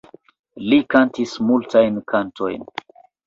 Li kantis multajn kantojn.